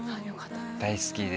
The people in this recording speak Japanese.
大好きで。